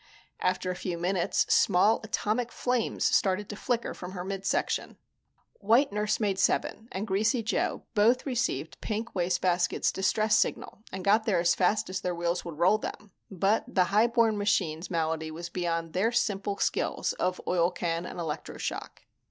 After a few minutes, small atomic flames started to flicker from her mid section. White Nursemaid Seven and Greasy Joe both received Pink Wastebasket's distress signal and got there as fast as their wheels would roll them, but the high born machine's malady was beyond their simple skills of oilcan and electroshock.